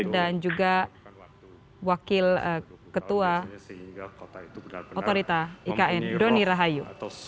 dan juga wakil ketua otorita ikn doni rahayu